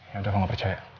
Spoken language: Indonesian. yaudah gue gak percaya